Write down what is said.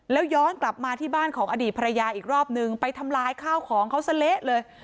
แล้วย้อนกลับมาที่บ้านของอดีตภรรยาอีกรอบนึงไปทำลายข้าวของเขาซะเละเลย